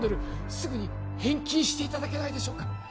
すぐに返金していただけないでしょうか？